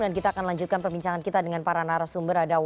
dan kita akan lanjutkan perbincangan kita dengan para narasumber